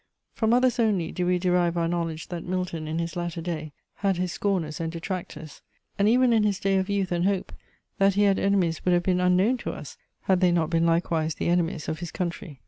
From others only do we derive our knowledge that Milton, in his latter day, had his scorners and detractors; and even in his day of youth and hope, that he had enemies would have been unknown to us, had they not been likewise the enemies of his country.